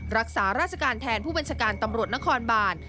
รักษาราชการแทนผู้บัญชาการตำรวจนครบาน